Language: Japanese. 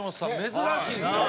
珍しいですよね。